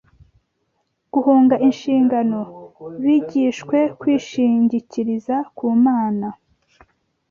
guhunga inshingano bigishwe kwishingikiriza ku Mana